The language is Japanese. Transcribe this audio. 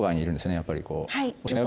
やっぱりこう。